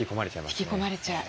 引き込まれちゃう。